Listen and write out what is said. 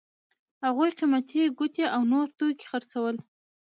هغوی قیمتي ګوتې او نور توکي خرڅول.